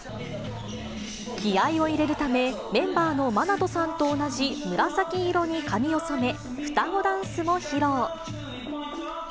気合いを入れるため、メンバーのマナトさんと同じ紫色に髪を染め、双子ダンスも披露。